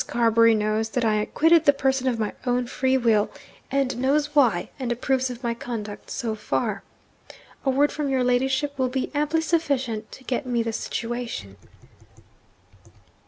Carbury knows that I quitted the person of my own free will, and knows why, and approves of my conduct so far. A word from your ladyship will be amply sufficient to get me the situation.'